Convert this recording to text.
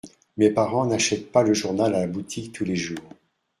Mes parents n’achètent pas le journal à la boutique tous les jours.